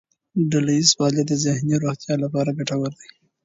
ډلهییز فعالیت د ذهني روغتیا لپاره ګټور دی.